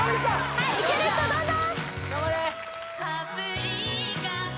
はいいける人どうぞ！